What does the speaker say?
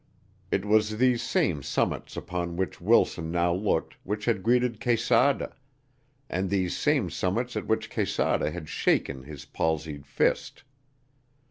It was these same summits upon which Wilson now looked which had greeted Quesada, and these same summits at which Quesada had shaken his palsied fist.